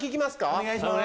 お願いします。